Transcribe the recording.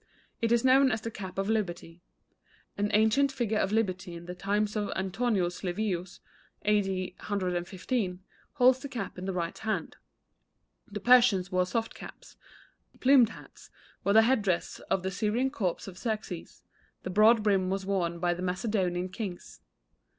It is known as the cap of Liberty. An ancient figure of Liberty in the times of Antonius Livius, A.D. 115, holds the cap in the right hand. The Persians wore soft caps; plumed hats were the head dress of the Syrian corps of Xerxes; the broad brim was worn by the Macedonian kings.